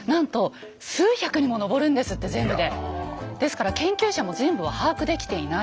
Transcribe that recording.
ですから研究者も全部は把握できていない。